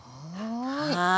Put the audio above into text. はい。